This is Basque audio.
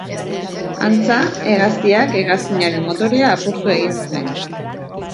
Antza, hegaztiak hegazkinaren motorea apurtu egin zuen.